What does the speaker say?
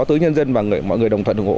tới nhân dân và mọi người đồng thuận ủng hộ